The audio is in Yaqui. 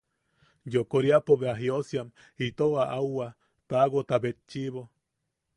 Yokoriapo bea jiʼosiam itou aʼauwa pagota betchiʼibo.